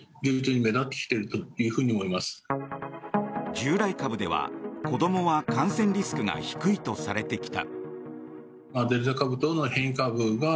従来株では子どもは感染リスクが低いとされてきた。